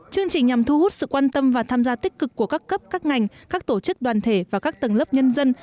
chương trình nhằm thu hút sự quan tâm và tham gia tích cực của các cấp các ngành các tổ chức đoàn thể và các tầng lớp nhân dân